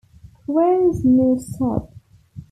Crowe's New South.